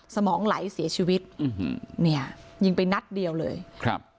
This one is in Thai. สมองไหลเสียชีวิตอืมเนี่ยยิงไปนัดเดียวเลยครับ